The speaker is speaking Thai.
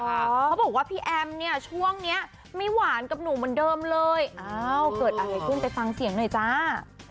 เขาบอกว่าพี่แอมเนี่ยช่วงนี้ไม่หวานกับหนูเหมือนเดิมเลยอ้าวเกิดอะไรขึ้นไปฟังเสียงหน่อยจ้า